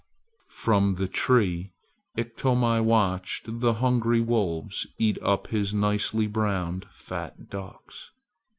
From the tree Iktomi watched the hungry wolves eat up his nicely browned fat ducks.